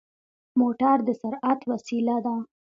موټر د سرعت وسيله ده.